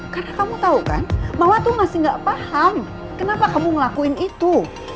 karena kamu tau kan mama tuh masih gak paham kenapa kamu ngelakuin itu